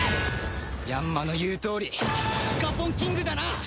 ヤンマの言うとおりスカポンキングだな！